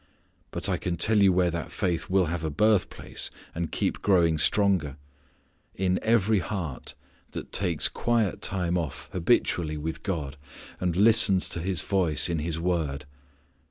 But I can tell where that faith will have a birthplace and keep growing stronger: in every heart that takes quiet time off habitually with God, and listens to His voice in His word.